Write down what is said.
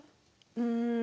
うん。